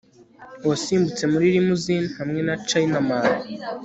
wasimbutse muri limousine hamwe na chinaman